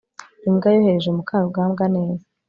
imbwa yohereje mukarugambwa neza